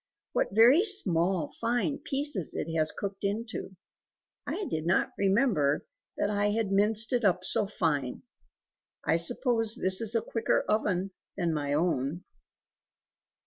What very small fine pieces it has cooked into! I did not remember that I had minced it up so fine; I suppose this is a quicker oven than my own."